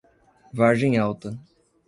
Vargem Alta